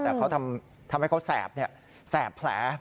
แต่ทำให้เขาแสบแผล